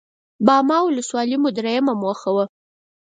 باما ولسوالي مو درېيمه موخه وه.